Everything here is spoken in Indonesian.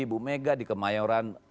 ibu mega di kemayoran